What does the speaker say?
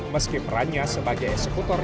meski perannya sebagai eksekutor